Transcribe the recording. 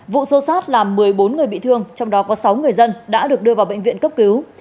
vụ xô xát làm một mươi bốn người bị thương trong đó có sáu người dân đã được đưa vào bệnh viện cấp cứu